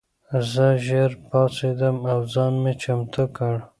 زه ژر پاڅېدم او ځان مې چمتو کړ.